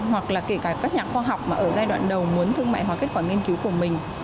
hoặc là kể cả các nhà khoa học mà ở giai đoạn đầu muốn thương mại hóa kết quả nghiên cứu của mình